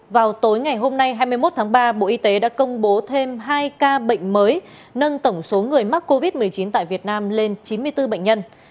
vào tối ngày hôm nay hai mươi một tháng ba bộ y tế đã công bố thêm hai ca bệnh mới nâng tổng số người mắc covid một mươi chín tại việt nam lên chín mươi bốn bệnh nhân